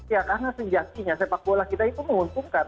ya karena sejatinya sepak bola kita itu menguntungkan